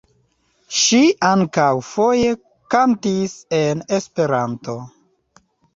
Ŝi ankaŭ foje kantis en Esperanto.